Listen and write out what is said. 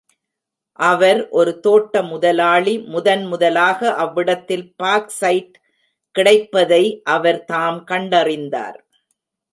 அவர் ஒரு தோட்ட முதலாளி முதன் முதலாக அவ்விடத்தில் பாக்சைட் கிடைப்பதை அவர் தாம் கண்டறிந்தார்.